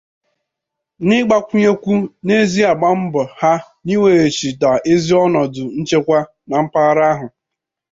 N'ịgbakwụnyekwu n'ezi agbambọ ha n'iweghachi ezi ọnọdụ nchekwa na mpaghara ahụ